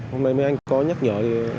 hôm nay mấy anh có nhắc nhở